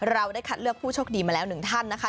เราได้คัดเลือกผู้โชคดีมาแล้วหนึ่งท่านนะคะ